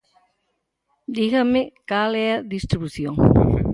Dígame cal é a distribución.